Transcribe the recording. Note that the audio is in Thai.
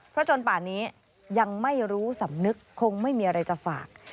เพราะจนป่านนี้ยังไม่รู้สำนึกคงไม่มีอะไรจะฝาก